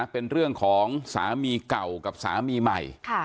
เป็นเรื่องของสามีเก่ากับสามีใหม่